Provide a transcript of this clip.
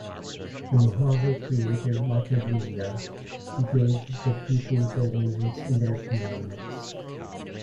The Mohave creator is "Matevilya," who gave the people their names and their commandments.